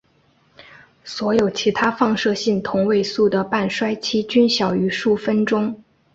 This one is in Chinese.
所有其他放射性同位素的半衰期均小于数分钟。